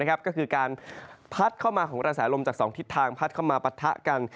ก็คือการพัดเข้ามาของกระแสลมจาก๒ทิศทางพัดเข้ามาปะทะกัน